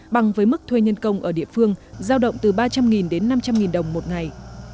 bằng với mức thuê nhân công ở địa phương giao động từ ba trăm linh đến năm trăm linh đồng một ngày